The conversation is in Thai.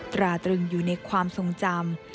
ตราตรึงอยู่ในความทรงจำ